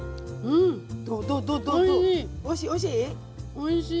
おいしい？